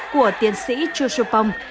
của tiến sĩ chú sưu pông